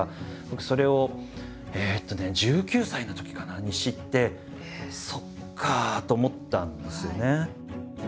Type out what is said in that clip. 僕それをえっとね１９歳のときかなに知ってそっか！と思ったんですよね。